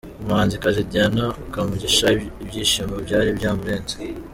Umuhanzikazi Diana Kamugisha ibyishimo byari byamurenze.